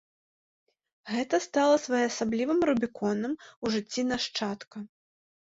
Гэта стала своеасаблівым рубіконам у жыцці нашчадка.